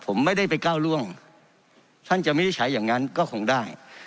ผมไม่ได้ไปก้าวร่วงท่านจะวินิจฉัยอย่างนั้นก็คงได้